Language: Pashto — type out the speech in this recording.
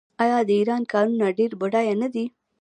آیا د ایران کانونه ډیر بډایه نه دي؟